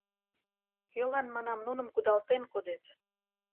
Кӧлан, манам, нуным кудалтен кодет?